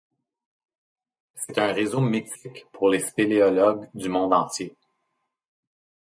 C'est un réseau mythique pour les spéléologues du monde entier.